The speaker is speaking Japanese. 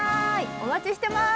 お待ちしてます。